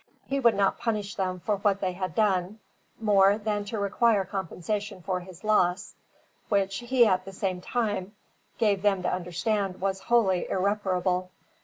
He would not punish them for what they had done, more than to require compensation for his loss, which he at the same time gave them to understand was wholly irreparable.